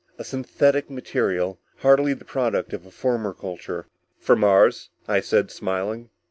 A synthetic material, hardly the product of a former culture." "From Mars?" I said, smiling.